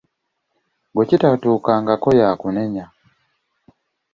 Gwe kitatuukangako y’akunenya.